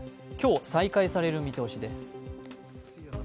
今日再開される見通しです。